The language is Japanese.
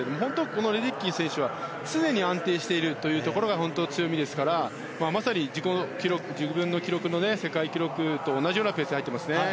このレデッキー選手は常に安定しているところが本当に強みですし自分の記録の世界記録と同じようなペースで入っていますね。